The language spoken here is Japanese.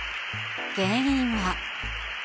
原因は。